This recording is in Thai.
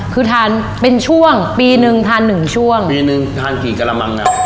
คือทานเป็นช่วงปีหนึ่งทานหนึ่งช่วงปีหนึ่งทานกี่กระมังครับ